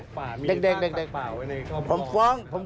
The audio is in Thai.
ลูกป่ะมีทางป่ะไว้เนี่ยเค้าต้องห่องนะครับครับ